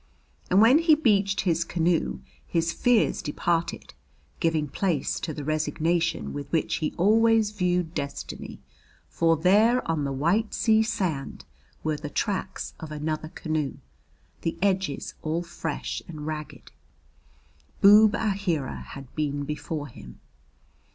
And when he beached his canoe his fears departed, giving place to the resignation with which he always viewed Destiny; for there on the white sea sand were the tracks of another canoe, the edges all fresh and ragged. Boob Aheera had been before him.